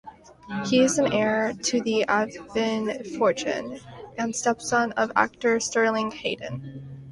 He is an heir to the Avon fortune and stepson of actor Sterling Hayden.